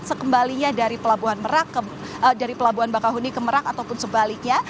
sekembalinya dari pelabuhan mbak kahuni ke merak ataupun sebaliknya